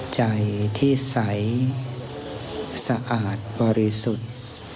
ใจที่ใสสะอาดบริสุทธิ์